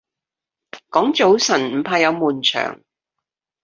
講早晨唔怕有悶場